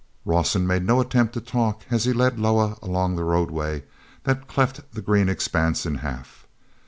Rawson made no attempt to talk as he led Loah along the roadway that cleft the green expanse in half.